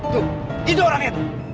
tuh itu orangnya tuh